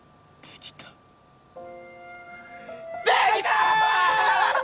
できたー！